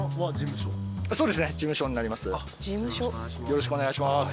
よろしくお願いします。